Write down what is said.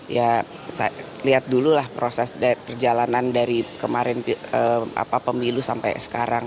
ya lihat dulu lah proses perjalanan dari kemarin pemilu sampai sekarang